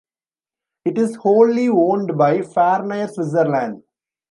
It is wholly owned by Farnair Switzerland.